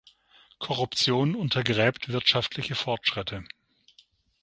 Korruption untergräbt wirtschaftliche Fortschritte.